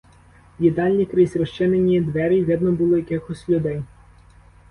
В їдальні крізь розчинені двері видно було якихось людей.